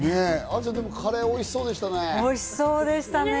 愛さん、カレーおいしそうでしたね。